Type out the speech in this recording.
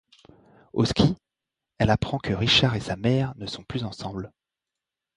Au ski, elle apprend que Richard et sa mère ne sont plus ensemble.